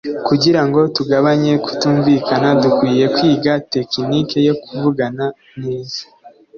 Kugira ngo tugabanye kutumvikana dukwiye kwiga tekinike yo kuvugana neza